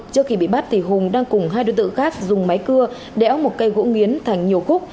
trước khi bị bắt hùng đang cùng hai đối tượng khác dùng máy cưa đéo một cây gỗ nghiến thành nhiều cúc